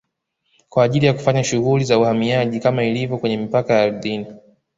kwa ajili ya kufanya shughuli za uhamiaji kama ilivyo kwenye mipaka ya ardhini